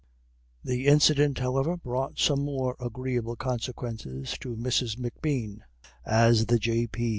The incident, however, brought some more agreeable consequences to Mrs. M'Bean, as the J. P.'